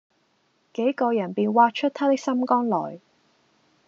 幾個人便挖出他的心肝來，